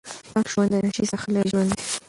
پاک ژوند د نشې څخه لرې ژوند دی.